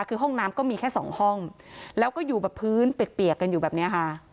คือห้องน้ำก็มีแค่สองห้องแล้วก็อยู่แบบพื้นเปียกกันอยู่แบบนี้ค่ะ